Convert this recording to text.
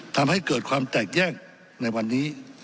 ทำให้เกิดความแตกแยกในวันนี้